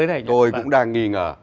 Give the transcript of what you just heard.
tôi cũng đang nghi ngờ